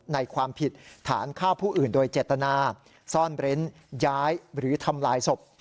ความผิดฐานฆ่าผู้อื่นโดยเจตนาซ่อนเร้นย้ายหรือทำลายศพ